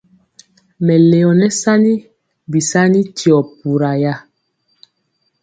Mɛleo nɛ sani bisani tyio pura ya.